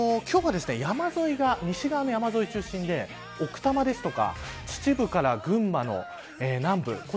今日は、山沿いが西側の山沿い中心で奥多摩や秩父から群馬の南部